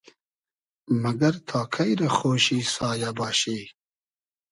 مئگئر تا کݷ رۂ خۉشی سایۂ باشی؟